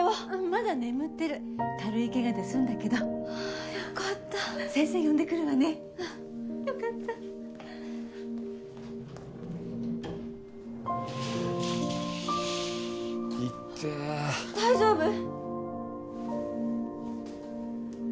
まだ眠ってる軽いケガで済んだけどああよかった先生呼んでくるわねうんよかったイッテエ大丈夫？